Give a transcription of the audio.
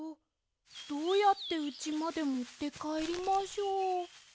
どうやってうちまでもってかえりましょう。